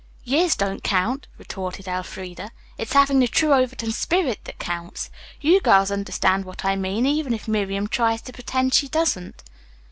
"Years don't count," retorted Elfreda. "It's having the true Overton spirit that counts. You girls understand what I mean, even if Miriam tries to pretend she doesn't."